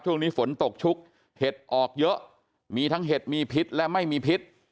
ช่วงนี้ฝนตกชุกเห็ดออกเยอะมีทั้งเห็ดมีพิษและไม่มีพิษ